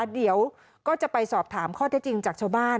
เดี๋ยวก็จะไปสอบถามข้อเท็จจริงจากชาวบ้าน